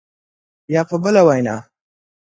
یا په بله وینا